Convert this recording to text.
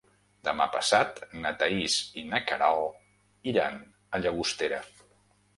Demà passat na Thaís i na Queralt iran a Llagostera.